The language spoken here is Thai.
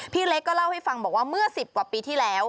พี่เล็กก็เล่าให้ฟังบอกว่าเมื่อ๑๐กว่าปีที่แล้ว